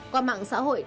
qua mạng xã hội